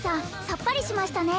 さっぱりしましたね